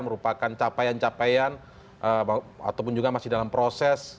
merupakan capaian capaian ataupun juga masih dalam proses